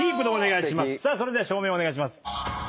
それでは照明お願いします。